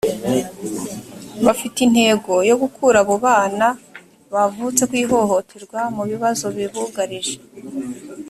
bafite intego yo gukura abo bana bavutse ku ihohoterwa mu bibazo bibugarije